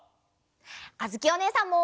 あづきおねえさんも！